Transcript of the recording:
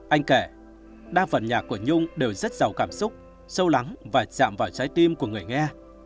anh kể đa phần nhà của nhung đều rất giàu cảm xúc sâu lắng và chạm vào trái tim của người nghe